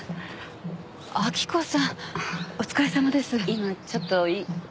今ちょっといい。